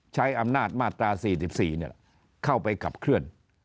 ใช้อำนาจมาตราสี่สิบสี่เนี่ยเข้าไปขับเคลื่อน